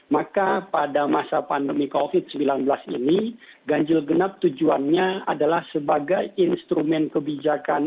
maka pada masa pandemi covid sembilan belas ini ganjil genap tujuannya adalah sebagai instrumen kebijakan